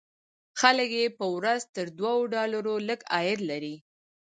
خلک یې په ورځ تر دوو ډالرو لږ عواید لري.